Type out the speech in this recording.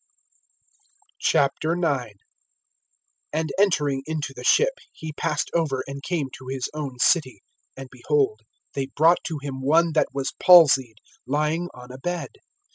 IX. AND entering into the ship he passed over, and came to his own city. (2)And, behold, they brought to him one that was palsied, lying on a bed.